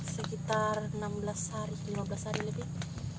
sekitar enam belas hari lima belas hari lebih